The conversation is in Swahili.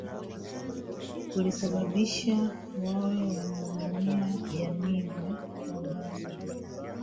kulisababisha wawe wanavamia jamii za Wabantu